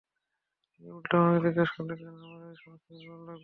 তিনি উল্টো আমাকে জিজ্ঞাসা করল কেন আমার এই সমস্ত বিবরণ লাগবে।